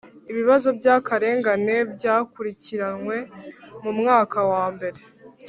Ibibazo by akarengane byakurikiranywe mu mwaka wambere